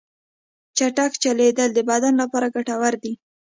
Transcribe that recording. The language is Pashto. چټک چلیدل د بدن لپاره ګټور دي.